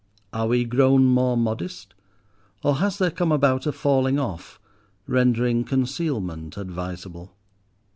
Are we grown more modest—or has there come about a falling off, rendering concealment advisable?